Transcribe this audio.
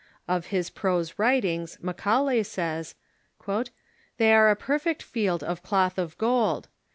Of his prose writings JMacaulay says : "They are a perfect field of cloth of gold.